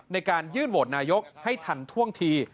ในการยื่นโหวตนายกให้ทันท่วงที